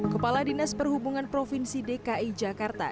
kepala dinas perhubungan provinsi dki jakarta